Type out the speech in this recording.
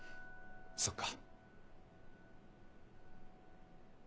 そっか。